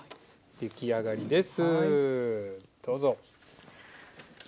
出来上がりです。